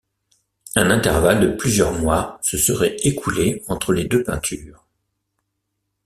Un intervalle de plusieurs mois se serait écoulé entre les deux peintures.